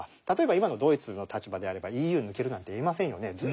例えば今のドイツの立場であればＥＵ抜けるなんて言えませんよね。